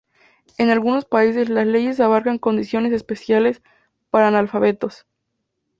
En algunos países las leyes abarcan condiciones especiales para analfabetos.